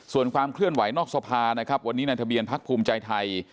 ส่วนความเคลื่อนไหวนอกสภานะครับวันนี้ในทะเบียนพักภูมิใจไทย